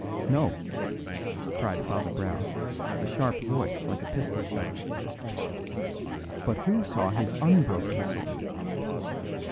"No," cried Father Brown, with a sharp voice like a pistol shot; "but who saw his unbroken sword?"